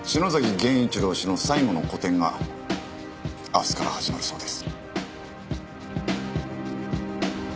源一郎氏の最後の個展が明日から始まるそうです。